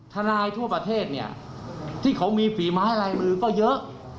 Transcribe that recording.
ทั่วประเทศเนี่ยที่เขามีฝีไม้ลายมือก็เยอะ